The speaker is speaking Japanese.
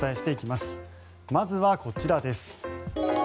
まずはこちらです。